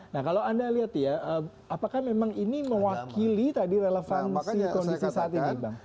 nah kalau anda lihat ya apakah memang ini mewakili tadi relevansi kondisi saat ini bang